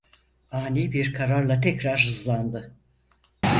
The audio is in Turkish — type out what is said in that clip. Ani bir kararla tekrar hızlandı.